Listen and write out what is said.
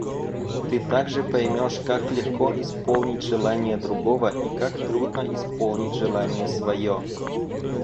Ты также поймешь, как легко исполнить желание другого и как трудно исполнить желание свое.